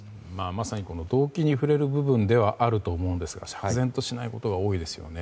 まさに、動機に触れる部分ではあると思いますが釈然としないことが多いですよね。